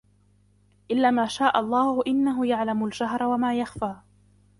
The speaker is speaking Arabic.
إلا ما شاء الله إنه يعلم الجهر وما يخفى